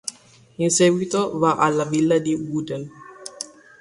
In seguito va alla villa di Woden.